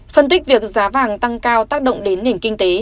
phân tích việc giá vàng tăng cao tác động đến nền kinh tế